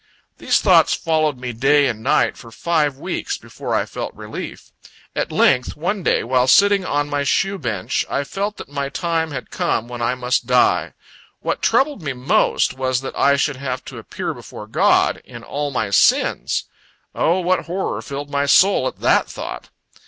These thoughts followed me day and night, for five weeks, before I felt relief. At length, one day, while sitting on my shoe bench, I felt that my time had come when I must die. What troubled me most, was that I should have to appear before God, in all my sins; O, what horror filled my soul at the thought!